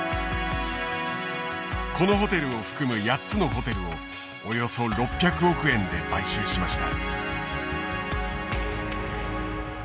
このホテルを含む８つのホテルをおよそ６００億円で買収しました。